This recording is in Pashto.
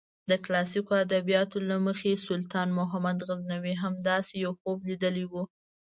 د کلاسیکو ادبیاتو له مخې سلطان محمود غزنوي هم داسې یو خوب لیدلی و.